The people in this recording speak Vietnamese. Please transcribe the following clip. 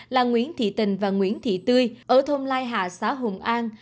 là nguyễn thị tình và nguyễn thị tươi ở thôn lai hạ xã hùng an